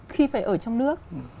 khi phải ở trong nước